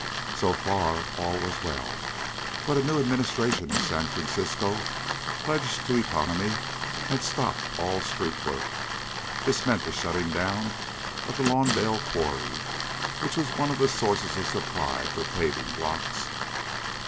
So far all was well. But a new administration in San Francisco, pledged to economy, had stopped all street work. This meant the shutting down of the Lawndale quarry, which was one of the sources of supply for paving blocks.